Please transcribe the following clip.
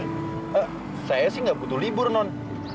eh saya sih gak butuh libur non